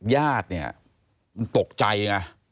ญาติเนี่ยมันตกใจไง